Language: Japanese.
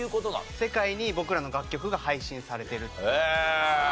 世界に僕らの楽曲が配信されてるっていう形ですね。